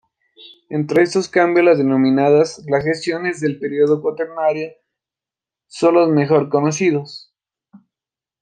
Entre estos cambios las denominadas glaciaciones del período Cuaternario son los mejor conocidos.